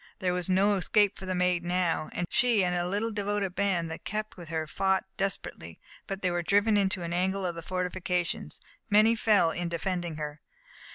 There was no escape for the Maid now. She and a little devoted band that kept with her fought desperately, but they were driven into an angle of the fortifications; many fell in defending her.